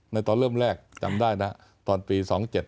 ในตอนเริ่มแรกจำได้นะตอนปี๑๙๒๗๑๙๒๘